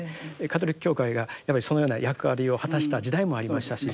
カトリック教会がそのような役割を果たした時代もありましたし。